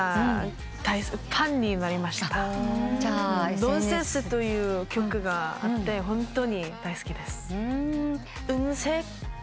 『Ｎｏｎｓｅｎｓｅ』という曲があってホントに大好きです。